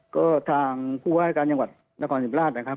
ก็ทางผู้ว่าราชการจังหวัดนครศิมราชนะครับ